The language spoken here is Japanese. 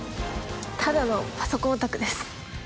ただのパソコンオタクです